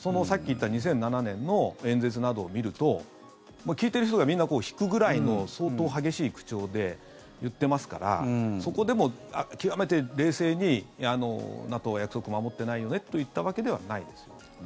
さっき言った２００７年の演説などを見ると聞いてる人がみんな引くぐらいの相当激しい口調で言ってますからそこでも極めて冷静にＮＡＴＯは約束守ってないよねと言ったわけではないですよね。